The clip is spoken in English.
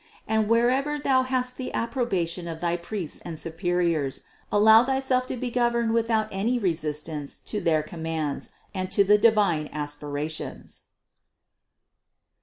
And wherever thou hast the approbation of thy priests and superiors, allow thyself to be governed with out any resistance to their commands and to the divine aspirations.